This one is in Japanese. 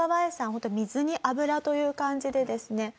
ホントに水に油という感じでですね。